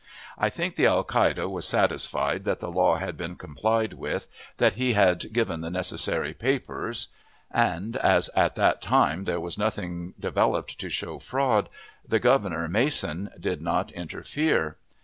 I think the alcalde was satisfied that the law had been complied with, that he had given the necessary papers, and, as at that time there was nothing developed to show fraud, the Governor (Mason) did not interfere.